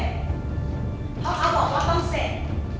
เพราะเขาบอกว่าต้องเสร็จ